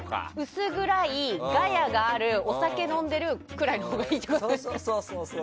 薄暗い、ガヤがあるお酒飲んでるくらいのほうがそうそう。